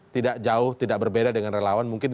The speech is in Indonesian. tidak jauh tidak berbeda dengan relawan mungkin